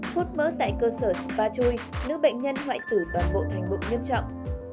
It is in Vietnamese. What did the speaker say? hút mỡ tại cơ sở spa chui nữ bệnh nhân hoại tử toàn bộ thành bụng nghiêm trọng